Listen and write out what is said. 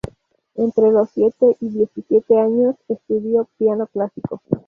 Entre los siete y los diecisiete años estudió piano clásico.